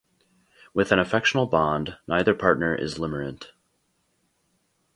With an affectional bond, neither partner is limerent.